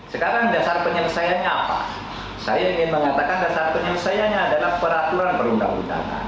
sekarang dasar penyelesaiannya apa saya ingin mengatakan dasar penyelesaiannya adalah peraturan perundang undangan